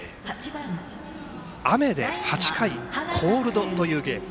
雨で８回コールドというゲーム。